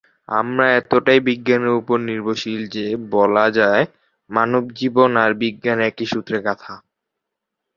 আমরা এতটাই বিজ্ঞানের উপর নির্ভরশীল যে বলা যায় মানবজীবন আর বিজ্ঞান একই সূত্রে গাঁথা।